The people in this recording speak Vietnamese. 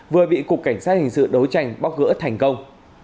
vừa bị cục cảnh sát hình sự đấu tranh bóc gỡ thành công